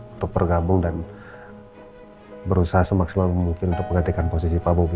untuk bergabung dan berusaha semaksimal mungkin untuk menggantikan posisi pak bobi